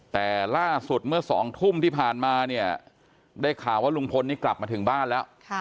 แต่ล่าสุดเมื่อ๒ทุ่มที่ผ่านมาเนี่ยได้ข่าวว่าลุงพลนี่กลับมาถึงบ้านแล้ว